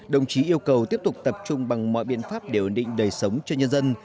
đồng chí yêu cầu tiếp tục tập trung bằng mọi biện pháp điều định đời sống cho nhân dân